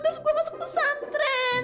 terus gue masuk pesantren